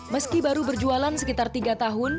meski baru berjualan sekitar tiga tahun